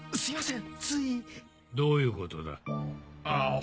ん？